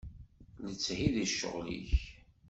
Letthi d ccɣel-ik.